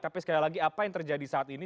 tapi sekali lagi apa yang terjadi saat ini